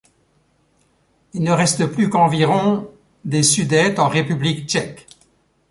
Il ne reste plus qu'environ des Sudètes en République Tchèque.